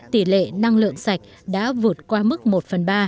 tỷ lệ năng lượng sạch đã vượt qua mức một phần ba